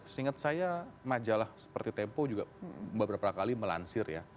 seingat saya majalah seperti tempo juga beberapa kali melansir ya